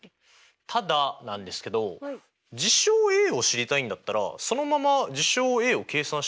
ただなんですけど事象Ａを知りたいんだったらそのまま事象Ａを計算したらよくないですか？